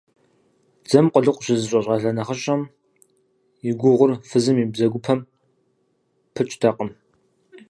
Дзэм къулыкъу щызыщӀэ щӀалэ нэхъыщӀэм и гугъур фызым и бзэгупэм пыкӀтэкъым.